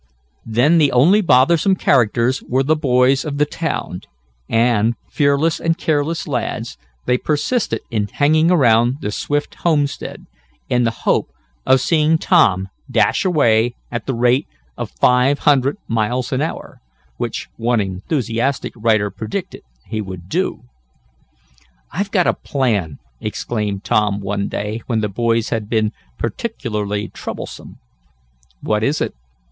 Then the only bothersome characters were the boys of the town, and, fearless and careless lads, they persisted in hanging around the Swift homestead, in the hope of seeing Tom dash away at the rate of five hundred miles an hour, which one enthusiastic writer predicted he would do. "I've got a plan!" exclaimed Tom one day when the boys had been particularly troublesome. "What is it?"